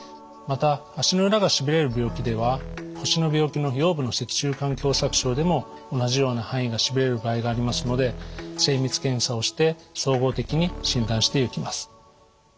また足の裏がしびれる病気では腰の病気の腰部の脊柱管狭さく症でも同じような範囲がしびれる場合がありますので精密検査をして総合的に診断していきます。